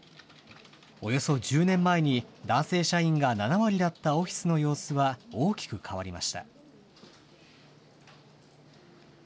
およそ１０年前に男性社員が７割だったオフィスの様子は大きく変わりました。